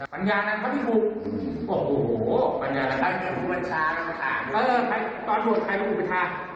บรรยากันก็พี่ทุกข์